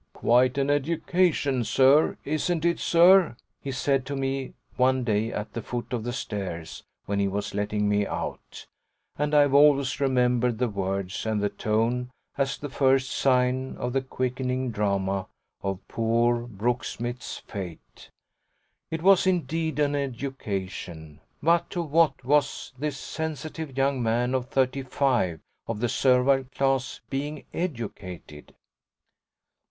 "Quite an education, sir, isn't it, sir?" he said to me one day at the foot of the stairs when he was letting me out; and I've always remembered the words and the tone as the first sign of the quickening drama of poor Brooksmith's fate. It was indeed an education, but to what was this sensitive young man of thirty five, of the servile class, being educated?